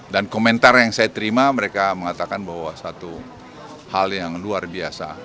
dan komentar yang saya terima mereka mengatakan bahwa satu hal yang luar biasa